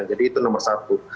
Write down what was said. jadi itu nomor satu